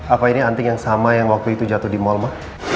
apa ini anting yang sama yang waktu itu jatuh di mal mah